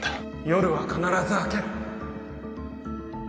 夜は必ず明ける！